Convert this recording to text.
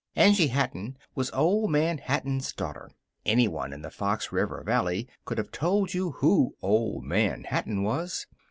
Angie Hatton was Old Man Hatton's daughter. Anyone in the Fox River Valley could have told you who Old Man Hatton was.